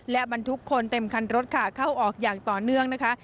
และบรรทุกคนเต็มคันรถค่ะเข้าออกอย่างต่อเนื่องนะคะ